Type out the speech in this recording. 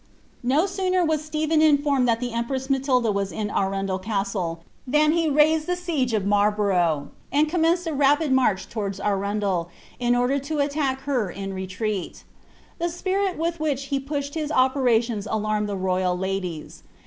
No sooner was Stephen inrnnned t)int the empress >lMilda wa> n Ariindel Cosile, ihan he mised the siege of Mnrl borough, and cob mencecl a rapid march towards Araiiilei, in order to attack her in htf retreat. The epirJi with which he pushed his operations alamieil the royal ladies.'